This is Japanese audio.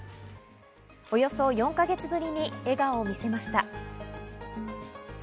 およそ４か月ぶりに笑顔を見せました。